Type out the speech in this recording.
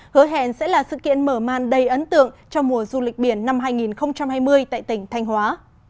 hứa hẹn sẽ là sự kiện mở màn đầy ấn tượng cho mùa du lịch biển năm hai nghìn hai mươi tại tỉnh thanh hóa